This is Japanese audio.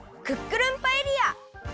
クックルンパエリア！